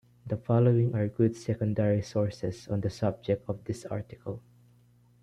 The following are good secondary sources on the subject of this article.